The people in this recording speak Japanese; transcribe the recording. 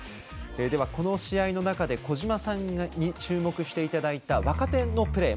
この試合の中で小島さんに注目していただいた若手のプレー。